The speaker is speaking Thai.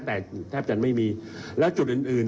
แต่แทบจะไม่มีและจุดอื่น